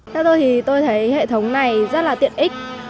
theo tôi thì tôi thấy hệ thống này rất là tiện ích